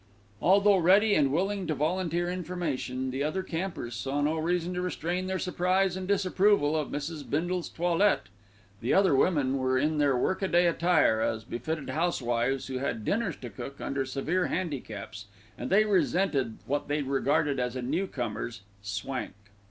Although ready and willing to volunteer information, the other campers saw no reason to restrain their surprise and disapproval of Mrs. Bindle's toilette. The other women were in their work a day attire, as befitted housewives who had dinners to cook under severe handicaps, and they resented what they regarded as a newcomer's "swank."